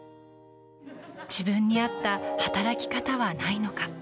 自分に合った働き方はないのか。